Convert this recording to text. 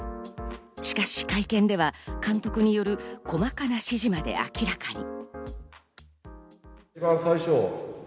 しかし、会見では監督による細かな指示まで明らかに。